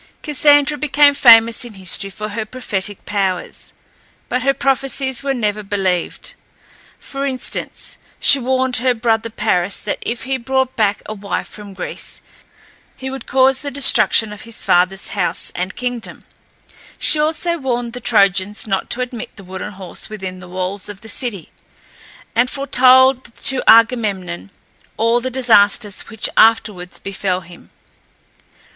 Cassandra became famous in history for her prophetic powers, but her prophecies were never believed. For instance, she warned her brother Paris that if he brought back a wife from Greece he would cause the destruction of his father's house and kingdom; she also warned the Trojans not to admit the wooden horse within the walls of the city, and foretold to Agamemnon all the disasters which afterwards befell him.